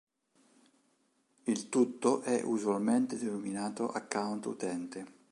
Il tutto è usualmente denominato "account utente".